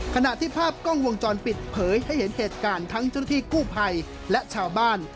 ขณะที่ภาพกล้องวงจรปิดเผยให้เห็นเหตุการณ์ทั้งเจ้าหน้าที่กู้ภัยและชาวบ้าน